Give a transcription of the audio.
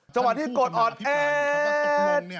จังหวะที่กดอ่อนแอ